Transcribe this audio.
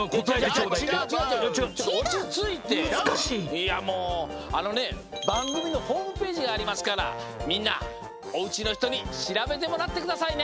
いやもうあのねばんぐみのホームページにありますからみんなおうちのひとにしらべてもらってくださいね！